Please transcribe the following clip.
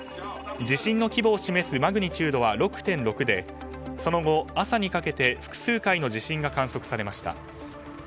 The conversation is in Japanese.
地震の規模を示すマグニチュードは６．６でその後、朝にかけて複数回の地震が観測されました。